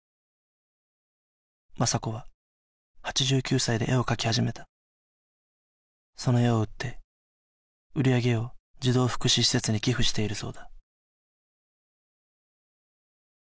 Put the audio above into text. まさ子は８９歳で絵を描き始めたその絵を売って売り上げを児童福祉施設に寄付しているそうだ